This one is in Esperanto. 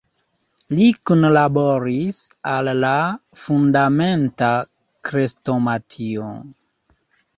Li kunlaboris al la "Fundamenta Krestomatio.